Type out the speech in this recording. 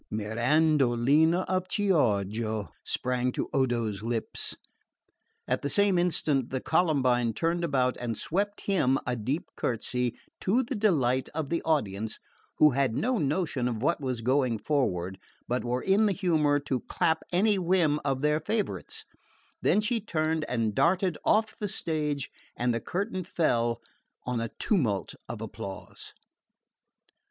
"Mirandolina of Chioggia!" sprang to Odo's lips. At the same instant the Columbine turned about and swept him a deep curtsey, to the delight of the audience, who had no notion of what was going forward, but were in the humour to clap any whim of their favourite's; then she turned and darted off the stage, and the curtain fell on a tumult of applause.